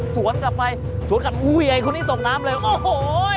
สวนกลับไปสวนกลับอุ้ยไอ้คนนี้ส่งน้ำเลยโอ้โห